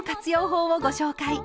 法をご紹介。